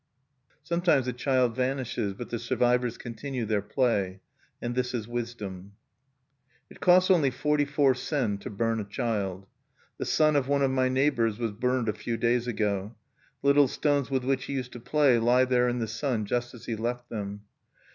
_" Sometimes a child vanishes; but the survivers continue their play. And this is wisdom. It costs only forty four sen to burn a child. The son of one of my neighbors was burned a few days ago. The little stones with which he used to play lie there in the sun just as he left them....